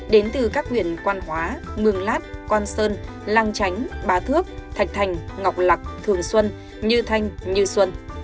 đến từ các huyện quan hóa mường lát quan sơn lang chánh bá thước thạch thành ngọc lạc thường xuân như thanh như xuân